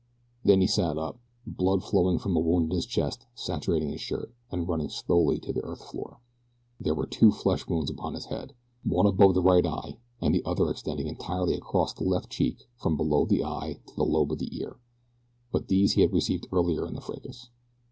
Then he sat up. Blood was flowing from a wound in his chest, saturating his shirt, and running slowly to the earth floor. There were two flesh wounds upon his head one above the right eye and the other extending entirely across the left cheek from below the eye to the lobe of the ear but these he had received earlier in the fracas.